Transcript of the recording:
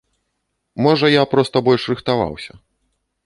Можа, я проста больш рыхтаваўся.